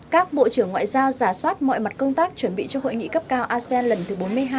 các bộ trưởng ngoại giao giả soát mọi mặt công tác chuẩn bị cho hội nghị cấp cao asean lần thứ bốn mươi hai